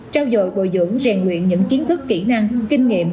trao dội bồi dưỡng rèn luyện những chiến thức kỹ năng kinh nghiệm